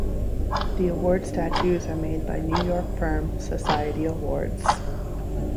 The award statues are made by New York firm, Society Awards.